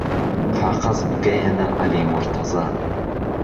قاقەز بگهیهنه عهلی موڕتەزا